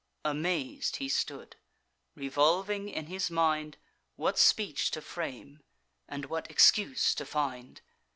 Amaz'd he stood, revolving in his mind What speech to frame, and what excuse to find.